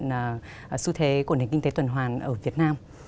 xu thế của nền kinh tế tuần hoàn ở việt nam